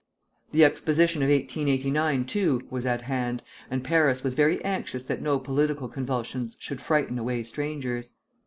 The Exposition of 1889, too, was at hand, and Paris was very anxious that no political convulsions should frighten away strangers.